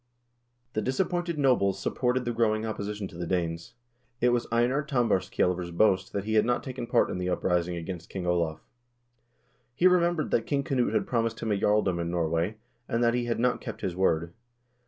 The dis appointed nobles supported the growing opposition to the Danes. 14 It was Einar Tambarskjaelver's boast that he had not taken part in the uprising against King Olav. lie remembered that King Knut had promised him a jarldom in Norway, and that he had not kept his word.